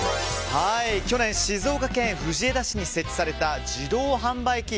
去年、静岡県藤枝市に設置された自動販売機。